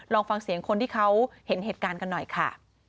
ลองฟังเสียงคนที่เขาเห็นเหตุการณ์กันหน่อยค่ะ